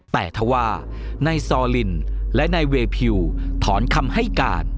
แต่ถ้าว่านายซอลินและนายเวพิวถอนคำให้การ